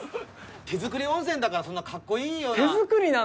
手作り温泉だからそんなかっこいいような。